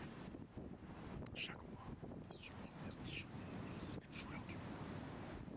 Chaque mois, les supporters dijonnais élisent le joueur du mois.